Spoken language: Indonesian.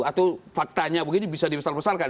atau faktanya begini bisa dibesar besarkan